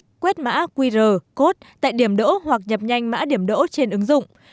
chọn điểm đỗ bằng cách quét mã qr code tại điểm đỗ hoặc nhập nhanh mã điểm đỗ trên ứng dụng